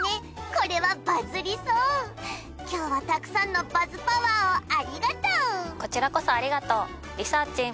これはバズりそう今日はたくさんのバズパワーをありがとうこちらこそありがとうリサーちん